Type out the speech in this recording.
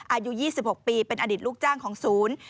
อายุ๒๖ปีเป็นอดีตลูกจ้างของศูนย์